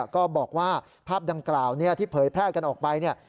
ก็บอกว่าภาพดังกล่าวที่เผยแพร่กันออกไปเนี่ย